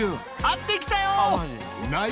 会ってきたよ！